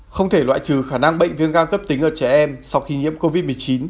không thể loại trừ khả năng bệnh viêm gan cấp tính ở trẻ em sau khi nhiễm covid một mươi chín